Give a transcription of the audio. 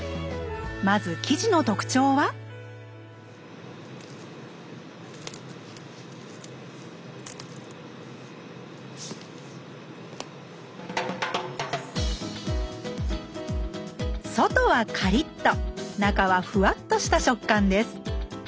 まず生地の特徴は外はカリッと中はふわっとした食感です